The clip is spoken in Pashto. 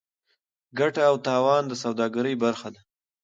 ګټه او تاوان د سوداګرۍ برخه ده.